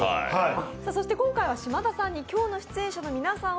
今回は島田さんに今日の出演者の皆さんを